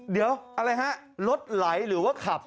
เดี๋ยวอะไรฮะรถไหลหรือว่าขับ